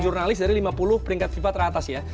jurnalis dari lima puluh peringkat fifa teratas ya